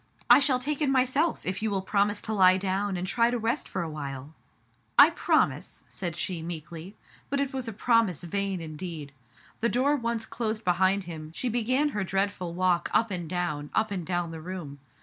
I shall take it myself, if you will promise to lie down and try to rest for awhile. " I promise, said she meekly, but it was a promise vain indeed. The door once closed be hind him, she began her dreadful walk up and down, up and down the room.